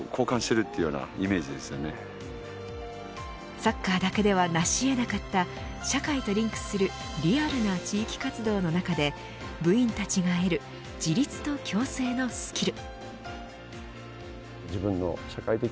サッカーだけではなし得なかった社会とリンクするリアルな地域活動の中で部員たちが得る自立と共生のスキル。